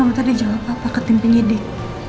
mama tadi jawab papa ketimpingnya dik